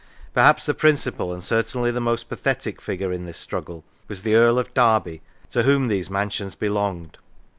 Perhaps the principal, and certainly the most pathetic, figure in this struggle was the Earl of Derby, to whom these mansions belonged.